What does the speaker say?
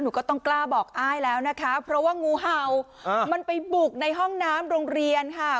ก็ต้องกล้าบอกอ้ายแล้วนะคะเพราะว่างูเห่ามันไปบุกในห้องน้ำโรงเรียนค่ะ